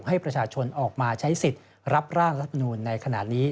ให้ประชาชนออกมาใช้สิทธิ์รับร่างรัฐมนูลในขณะนี้